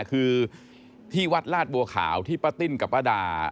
คือที่วัดลาดบัวขาวที่ป้าติ้นกับป้าดา